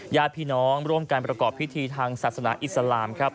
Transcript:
ญาติพี่น้องร่วมการประกอบพิธีทางศาสนาอิสลามครับ